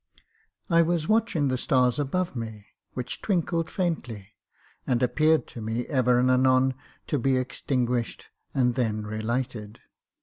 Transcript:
I was watching the stars above me, which twinkled faintly, and appeared to me ever and anon to be extinguished and then relighted.